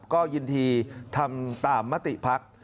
ก็ยินดีทำตามมติภักดิ์